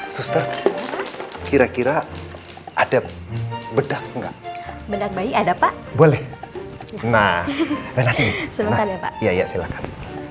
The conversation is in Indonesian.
suster kira kira ada bedah enggak bedah bayi ada pak boleh nah nah sini ya ya silakan